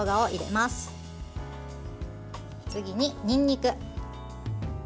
次に、にんにく。